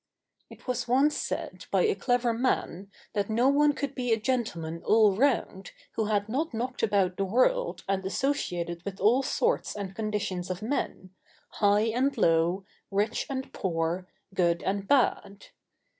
It was once said by a clever man that no one could be a gentleman all round who had not [Sidenote: The furnace of experience.] knocked about the world and associated with all sorts and conditions of men, high and low, rich and poor, good and bad.